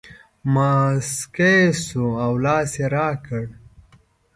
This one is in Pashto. مسکی شو او لاس یې راکړ.